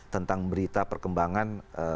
tentang berita perkembangan